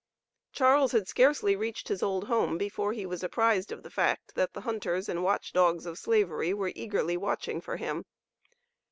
Charles had scarcely reached his old home before he was apprised of the fact that the hunters and watch dogs of Slavery were eagerly watching for him.